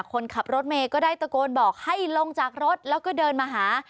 คนขับรถเมย์ก็ได้ตะโกนบอกให้ลงจากรถแล้วก็เดินมาหา